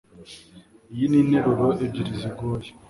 Iyi ni interuro ebyiri zigoye